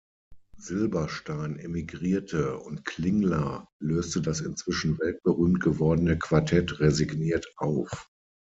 Silberstein emigrierte, und Klingler löste das inzwischen weltberühmt gewordene Quartett resigniert auf.